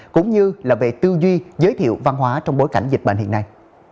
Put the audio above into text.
cũng như là về tư duy giới thiệu văn hóa trong bối cảnh dịch bệnh hiện nay